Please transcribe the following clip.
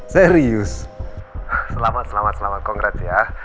serius selamat selamat selamat congrats ya